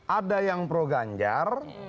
ada yang pro ganjar